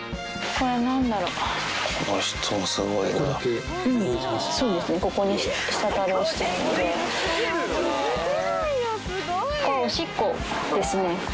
これはおしっこですね。